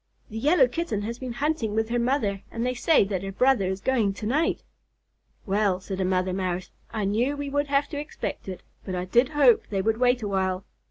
"The Yellow Kitten has been hunting with her mother, and they say that her brother is going to night." "Well," said a mother Mouse, "I knew we would have to expect it, but I did hope they would wait a while.